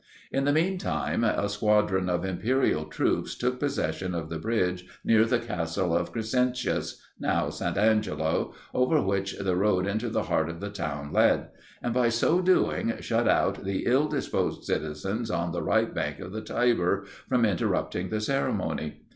In the mean time, a squadron of imperial troops took possession of the bridge near the Castle of Crescentius now St. Angelo over which the road into the heart of the town led; and, by so doing, shut out the ill disposed citizens on the right bank of the Tiber, from interrupting the ceremony.